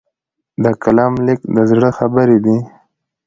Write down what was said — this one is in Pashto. د قلم لیک د زړه خبرې دي.